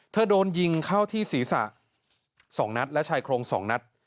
โดนยิงเข้าที่ศีรษะ๒นัดและชายโครง๒นัด